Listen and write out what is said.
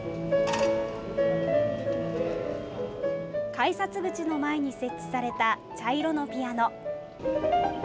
改札口の前に設置された茶色のピアノ。